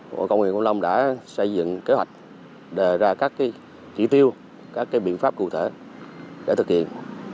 công an huyện cam lâm đã xây dựng kế hoạch đề ra các chỉ tiêu các biện pháp cụ thể để thực hiện